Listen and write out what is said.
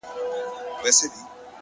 یخنۍ یو خیال و